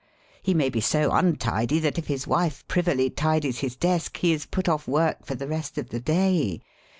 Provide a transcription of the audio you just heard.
He may be so untidy that if his wife privily tidies his desk he is put oflF work for the rest of the day.